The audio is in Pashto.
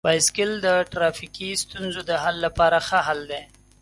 بایسکل د ټرافیکي ستونزو د حل لپاره ښه حل دی.